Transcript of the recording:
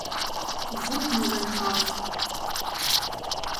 Вот могай калык!